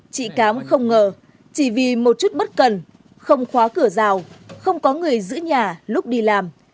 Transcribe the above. chị cám không ngờ chỉ vì một chút bất cần không khóa cửa rào không có người giữ nhà lúc đi làm